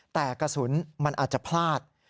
แต่กระสุนมันอาจจะพลาด